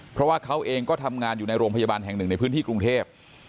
เพราะว่าเขาเองก็ทำงานอยู่ในโรงพยาบาลแห่งหนึ่งในพื้นที่กรุงเทพ